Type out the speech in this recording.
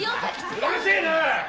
うるせえな！